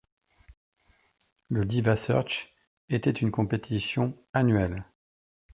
Le Diva Search été une compétition annuellement.